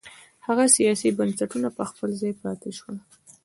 هغه سیاسي بنسټونه په خپل ځای پاتې شول.